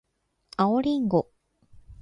青りんご